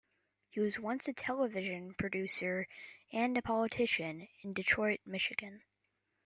He was once a television producer and a politician in Detroit, Michigan.